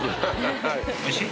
おいしい？